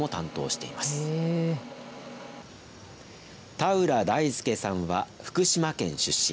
田浦大輔さんは福島県出身。